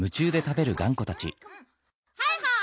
はいはい。